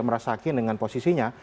merasa yakin dengan posisinya